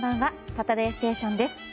「サタデーステーション」です。